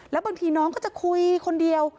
แล้วบางทีน้องก็จะคุยคนเดียว